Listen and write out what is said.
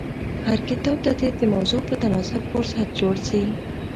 هر کتاب ته دي د موضوع په تناسب فهرست جوړ سي.